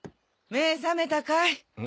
目ェ覚めたかい？